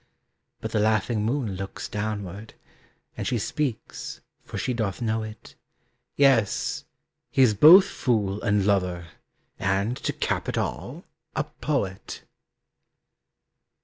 But the laughing moon looks downward, And she speaks, for she doth know it: "Yes, he is both fool and lover, And, to cap it all, a poet!"